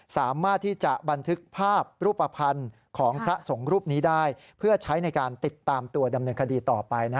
สามารถที่จะบันทึกภาพรูปภัณฑ์ของพระสงฆ์รูปนี้ได้เพื่อใช้ในการติดตามตัวดำเนินคดีต่อไป